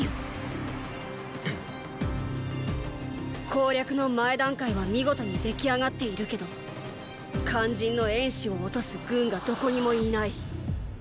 攻略の前段階は見事に出来上がっているけど肝心の衍氏を落とす軍がどこにもいない。